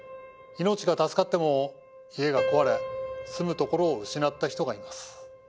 命が助かっても家が壊れ住むところを失った人がいます。